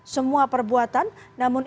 semua perbuatan namun